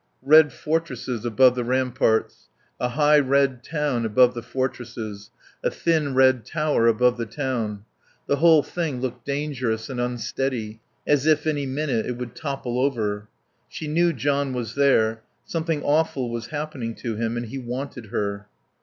Red fortresses above the ramparts, a high red town above the fortresses, a thin red tower above the town. The whole thing looked dangerous and unsteady, as if any minute it would topple over. She knew John was there. Something awful was happening to him, and he wanted her.